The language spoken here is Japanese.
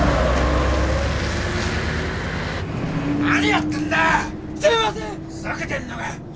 何やってんだよ！